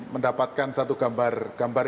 mendapatkan satu gambar